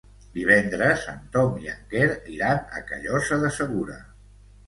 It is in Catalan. Divendres en Tom i en Quer iran a Callosa de Segura.